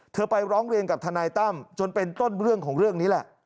ไปร้องเรียนกับทนายตั้มจนเป็นต้นเรื่องของเรื่องนี้แหละ